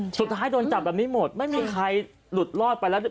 สุดท้ายโดนจับแบบนี้หมดไม่มีใครหลุดรอดไปแล้ว